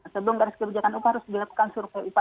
sebelum garis kebijakan upah harus dilakukan survei upah